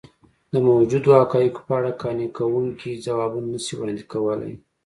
د موجودو حقایقو په اړه قانع کوونکي ځوابونه نه شي وړاندې کولی.